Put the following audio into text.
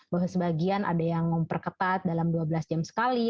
bahwa sebagian ada yang memperketat dalam dua belas jam sekali